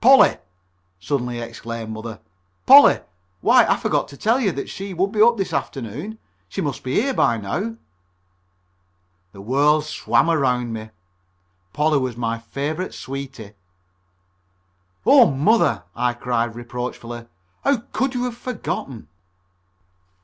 "Polly!" suddenly exclaimed Mother. "Polly! Why, I forgot to tell you that she said that she would be up this afternoon. She must be here now." The world swam around me. Polly was my favorite sweetie. "Oh, Mother!" I cried reproachfully, "how could you have forgotten?"